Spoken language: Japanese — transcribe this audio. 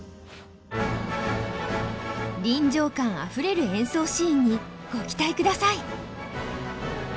臨場感あふれる演奏シーンにご期待ください！